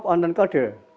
koreka disandarkan pada pohon